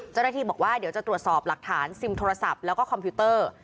เจ้าหน้าที่บอกว่าเดี๋ยวจะตรวจสอบหลักฐานซิมโทรศัพท์แล้วก็คอมพิวเตอร์